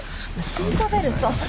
シートベルト。